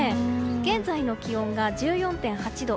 現在の気温が１４．８度。